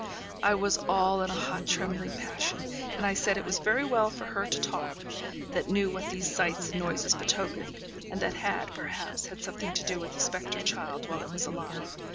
I was all in a hot, trembling passion; and I said it was very well for her to talk; that knew what these sights and noises betokened, and that had, perhaps, had something to do with the spectre child while it was alive.